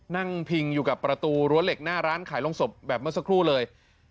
นั่งพิงอยู่กับประตูรั้วเหล็กหน้าร้านขายลงศพแบบเมื่อสักครู่เลย